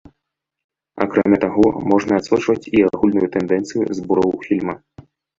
Акрамя таго, можна адсочваць і агульную тэндэнцыю збораў фільма.